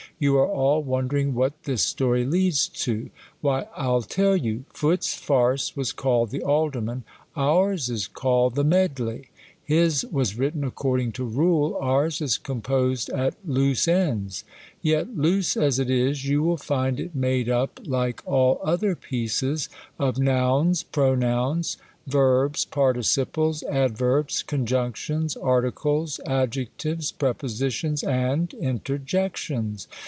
You are all wondering what this story leads to. Why, I'll tell you ; Footc's farce was called the Alderm.an, ours is called the Medley ;. his was written according to rule, ours is composed at loose ends. Yet loose as it is, you will find it made up, like X2 ali 258 THE COLUMBlAiX ORATOR. all otlier pieces, of nouns, pronouns, verbs, participlesr, adverbs, conjunctions, articles, adjectives, prepositions, and interjections.